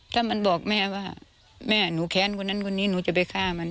ถ้ามันบอกแม่ว่าแม่หนูแค้นคนนั้นคนนี้หนูจะไปฆ่ามัน